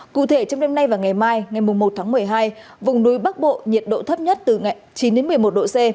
cụ thể trong đêm nay và ngày mai vùng núi bắc bộ nhiệt độ thấp nhất từ chín một mươi một độ c